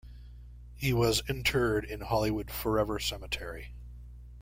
He was interred in Hollywood Forever Cemetery.